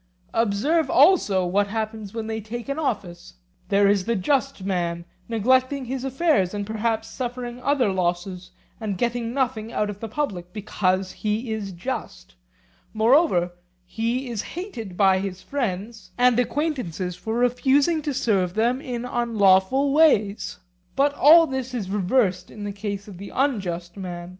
Observe also what happens when they take an office; there is the just man neglecting his affairs and perhaps suffering other losses, and getting nothing out of the public, because he is just; moreover he is hated by his friends and acquaintance for refusing to serve them in unlawful ways. But all this is reversed in the case of the unjust man.